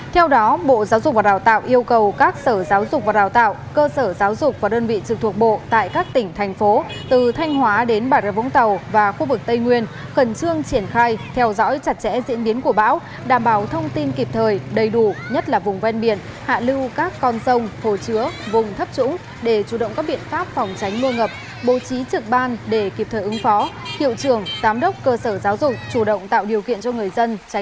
theo đó bộ giáo dục và đào tạo yêu cầu các sở giáo dục và đào tạo cơ sở giáo dục và đơn vị trường thuộc bộ tại các tỉnh thành phố từ thanh hóa đến bà rực vũng tàu và khu vực tây nguyên cần chương triển khai theo dõi chặt chẽ diễn biến của bão đảm bảo thông tin kịp thời đầy đủ nhất là vùng ven biển hạ lưu các con sông phổ chứa vùng thấp trũng để chủ động các biện pháp phòng tránh mưa ngập bố trí trực ban để kịp thời ứng phó hiệu trường tám đốc cơ sở giáo dục chủ động tạo điều kiện cho người d